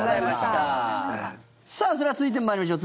それでは続いて参りましょう。